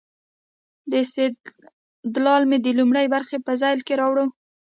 دا استدلال مې د لومړۍ برخې په ذیل کې راوړ.